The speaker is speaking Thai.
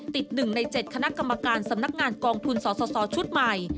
ติด๑ใน๗คณะกรรมการสำนักงานกองทุนสสชุดใหม่